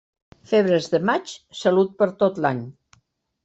Febres de maig, salut per tot l'any.